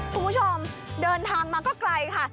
คุณผู้ชมเดินทางมาก็ไกลค่ะ